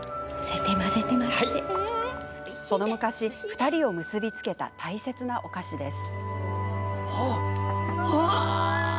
その昔、２人を結び付けた大切なお菓子です。